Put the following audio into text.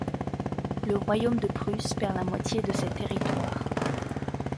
Le royaume de Prusse perd la moitié de ses territoires.